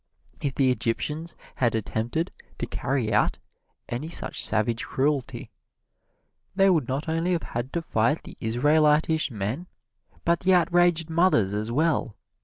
If the Egyptians had attempted to carry out any such savage cruelty, they would not only have had to fight the Israelitish men, but the outraged mothers as well.